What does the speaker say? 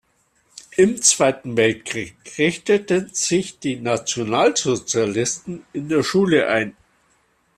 Im Zweiten Weltkrieg richteten sich die Nationalsozialisten in der Schule ein.